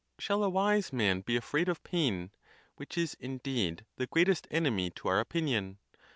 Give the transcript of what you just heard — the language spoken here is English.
Shall a wise man be afraid of pain? which is, indeed, the greatest enemy to our opinion.